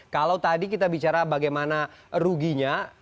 kalau tadi kita bicara bagaimana ruginya